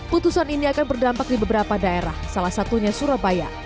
putusan ini akan berdampak di beberapa daerah salah satunya surabaya